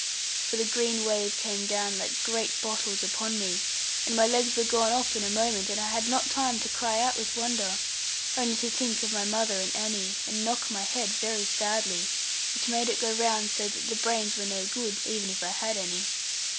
For the green wave came down like great bottles upon me, and my legs were gone off in a moment, and I had not time to cry out with wonder, only to think of my mother and Annie, and knock my head very sadly, which made it go round so that brains were no good, even if I had any.